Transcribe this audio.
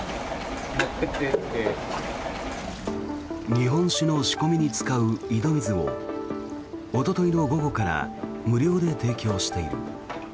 日本酒の仕込みに使う井戸水をおとといの午後から無料で提供している。